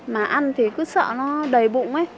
mà ăn thì cứ sợ nó đầy bụng ý